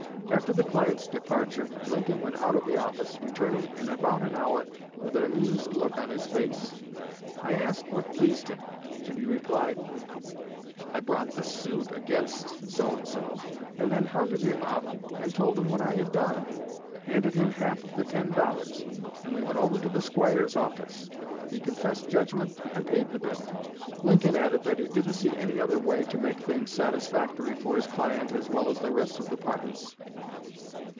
After the client's departure, Lincoln went out of the office, returning in about an hour with an amused look on his face. I asked what pleased him, and he replied, 'I brought suit against , and then hunted him up, told him what I had done, handed him half of the ten dollars, and we went over to the squire's office. He confessed judgment and paid the bill.' Lincoln added that he didn't see any other way to make things satisfactory for his client as well as the rest of the parties.